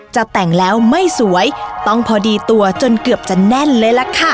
จะแต่งแล้วไม่สวยต้องพอดีตัวจนเกือบจะแน่นเลยล่ะค่ะ